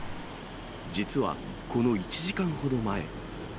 実はこの１時間ほど前。